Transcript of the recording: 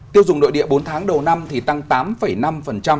tiêu dùng nội địa bốn tháng đầu năm thì tăng tám năm